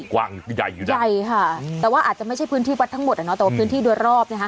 กว้างใหญ่อยู่จังแต่ว่าอาจจะไม่ใช่พื้นที่วัดทั้งหมดนะแต่ว่าพื้นที่ด้วยรอบ